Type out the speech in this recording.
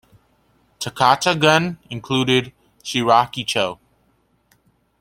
Takata-gun included Shiraki-cho.